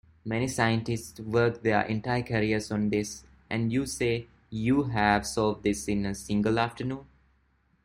Many scientists work their entire careers on this, and you say you have solved this in a single afternoon?